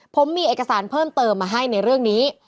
ผมมีเอกสารพิคับเติมในเรื่องนี้